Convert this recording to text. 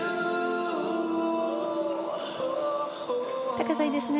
高さ、いいですね。